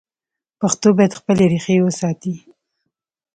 پښتو باید خپلې ریښې وساتي.